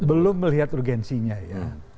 belum melihat urgensinya ya